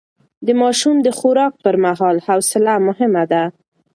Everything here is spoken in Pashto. د ماشوم د خوراک پر مهال حوصله مهمه ده.